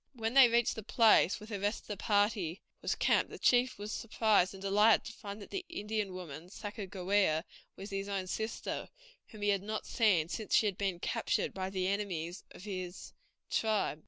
When they reached the place where the rest of the party were camped the chief was surprised and delighted to find that the Indian woman, Sacajawea, was his own sister, whom he had not seen since she had been captured by the enemies of his tribe.